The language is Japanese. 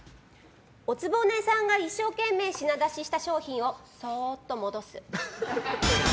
お局さんが一生懸命品出しした商品をそーっと戻す。